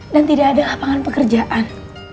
dan tidak ada lapangan pekerjaan